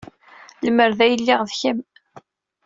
Lemmer d ay d-lliɣ d kemm.